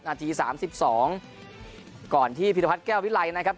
นาทีสามสิบสองก่อนที่พิทธพัฒน์แก้ววิทไลน์นะครับ